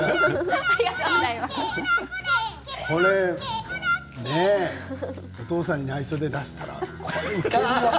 これお父さんにないしょで出したら。